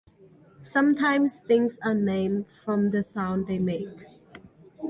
Sometimes things are named from the sounds they make.